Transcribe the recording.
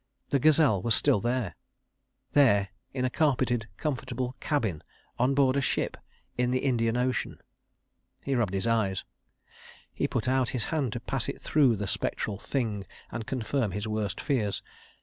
The gazelle was still there—there in a carpeted, comfortable cabin, on board a ship, in the Indian Ocean. ... He rubbed his eyes. Then he put out his hand to pass it through the spectral Thing and confirm his worst fears.